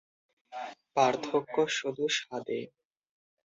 পার্থক্য শুধু স্বাদে।